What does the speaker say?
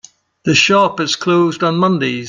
The shop is closed on Mondays.